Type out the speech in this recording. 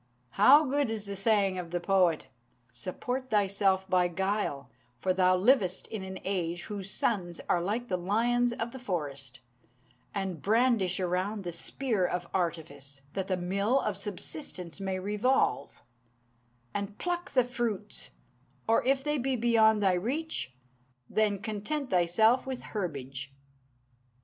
How good is the saying of the poet "'Support thyself by guile; for thou livest in an age whose sons are like the lions of the forest; And brandish around the spear of artifice, that the mill of subsistence may revolve; And pluck the fruits; or if they be beyond thy reach, then content thyself with herbage.'"